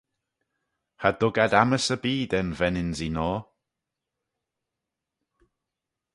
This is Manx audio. Cha dug ad ammys erbee da'n ven-ynsee noa.